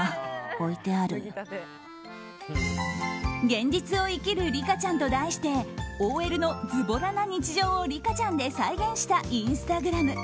「現実を生きるリカちゃん」と題してＯＬのズボラな日常をリカちゃんで再現したインスタグラム。